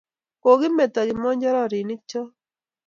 Ko kemeto kimojoronik choo